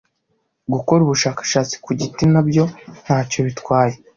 Gukora ubushakashatsi ku giti nabyo ntacyo bitwaye